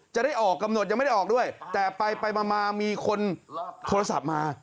จะได้ออกกำหนดยังไม่ได้ออกด้วยแต่ไปมามีคนโทรศัพท์มา